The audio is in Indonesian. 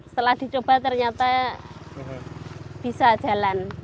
setelah dicoba ternyata bisa jalan